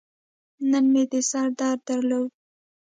نن مې د سر درد درلود.